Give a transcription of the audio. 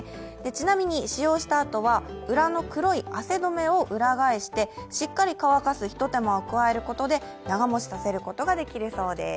ちなみに、使用したあとは裏の黒い汗止めを裏返してしっかり乾かす一手間を加えることで、長もちさせることができるそうです。